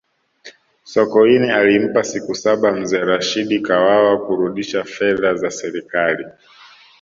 sokoine alimpa siku saba mzee rashidi kawawa kurudisha fedha za serikali